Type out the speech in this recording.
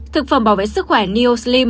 thực phẩm bảo vệ sức khỏe neo slim